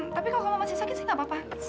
tapi kalau kamu masih sakit sih gak apa apa